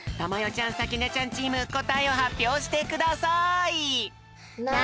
ちゃんさきねちゃんチームこたえをはっぴょうしてください！